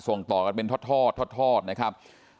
ส่งต่อกันเป็นทอดนะครับ